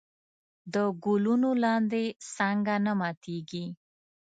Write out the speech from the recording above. د ګلونو لاندې څانګه نه ماتېږي.